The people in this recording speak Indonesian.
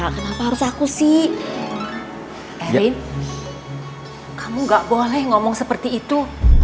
kenapa harus aku sih erwin kamu gak boleh ngomong seperti itu